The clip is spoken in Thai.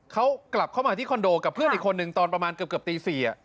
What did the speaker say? เขากลับเข้ามาที่คอนโดกับเพื่อนอีกคนนึงตอนประมาณเกือบตี๔